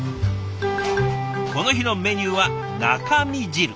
この日のメニューは中身汁。